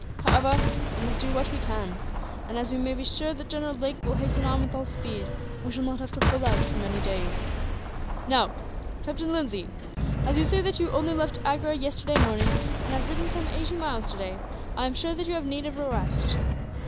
However, we must do what we can and, as we may be sure that General Lake will hasten on with all speed, we shall not have to hold out for many days. "Now, Captain Lindsay, as you say that you only left Agra yesterday morning, and have ridden some eighty miles, today, I am sure you have need of rest.